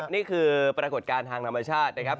นี่คือปรากฏการณ์ทางธรรมชาตินะครับ